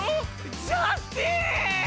ジャスティス！